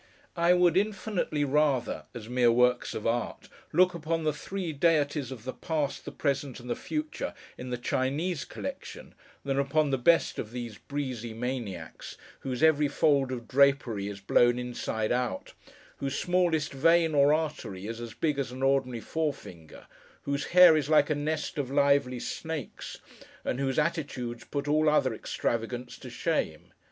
I would infinitely rather (as mere works of art) look upon the three deities of the Past, the Present, and the Future, in the Chinese Collection, than upon the best of these breezy maniacs; whose every fold of drapery is blown inside out; whose smallest vein, or artery, is as big as an ordinary forefinger; whose hair is like a nest of lively snakes; and whose attitudes put all other extravagance to shame.